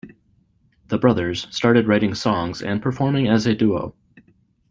The brothers started writing songs and performing as a duo.